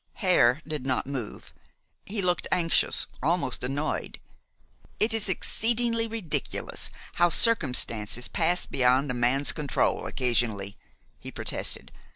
Hare did not move. He looked anxious, almost annoyed. "It is exceedingly ridiculous how circumstances pass beyond a man's control occasionally," he protested.